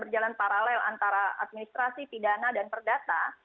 berjalan paralel antara administrasi pidana dan perdata